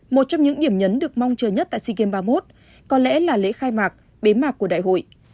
một trong những điểm nhấn được mong chờ nhất tại sea games ba mươi một có lẽ là lễ khai mạc bế mạc của đại hội